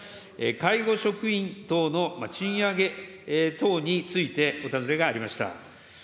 介護職員等の賃上げ等についてお尋ねがありました。